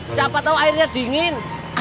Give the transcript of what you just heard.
siapa tau airnya dingin